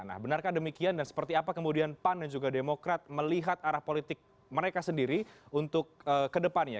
nah benarkah demikian dan seperti apa kemudian pan dan juga demokrat melihat arah politik mereka sendiri untuk kedepannya